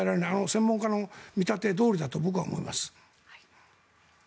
専門家の見立てどおりだと僕は思います。